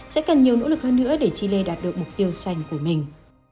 sẽ cần nhiều nỗ lực hơn nữa để chile đạt được mục tiêu xanh của mình